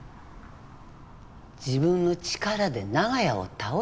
自分の力で長屋を倒す？